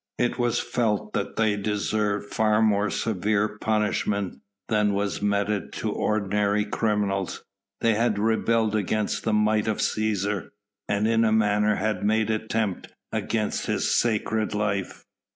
It was felt that they deserved far more severe punishment than was meted to ordinary criminals. They had rebelled against the might of Cæsar, and in a manner had made attempt against his sacred life.